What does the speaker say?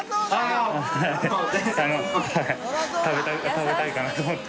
食べたいかな？と思って。